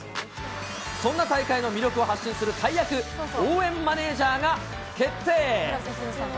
そんな大会の魅力を発信する大役、応援マネージャーが決定。